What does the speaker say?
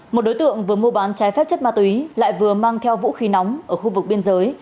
một đối tượng vừa mua bán trái phép chất ma túy lại vừa mang theo vũ khí nóng ở khu vực biên giới